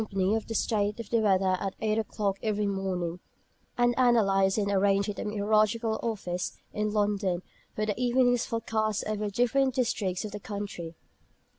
of the state of the weather at eight o'clock every morning, and analysed and arranged at the Meteorological Office in London for the evening's forecasts over the different districts of the country.